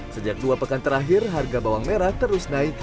sejak dua pekan terakhir harga bawang merah terus naik